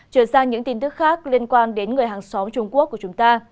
chuyển sang những tin tức khác liên quan đến người hàng xóm trung quốc của chúng ta